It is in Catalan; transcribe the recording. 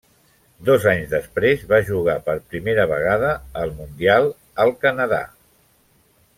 Dos anys després va jugar per primera vegada el Mundial, al Canadà.